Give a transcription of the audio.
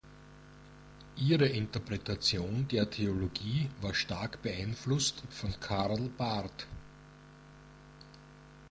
Ihre Interpretation der Theologie war stark beeinflusst von Karl Barth.